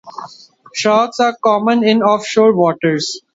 Sharks are common in the offshore waters.